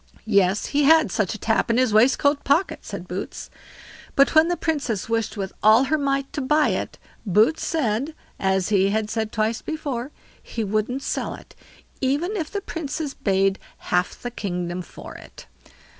"Yes! he had such a tap in his waistcoat pocket", said Boots; but when the Princess wished with all her might to buy it, Boots said, as he had said twice before, he wouldn't sell it, even if the Princess bade half the kingdom for it.